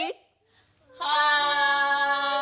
はい！